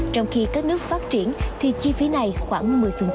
trong khi các nước phát triển thì chi phí này khoảng một mươi